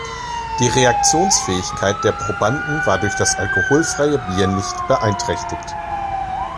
Die Reaktionsfähigkeit der Probanden war durch das alkoholfreie Bier nicht beeinträchtigt.